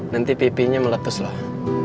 nanti pipinya meletus lah